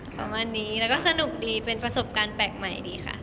ประมาณนี้แล้วก็สนุกดีเป็นประสบการณ์แปลกใหม่ดีค่ะ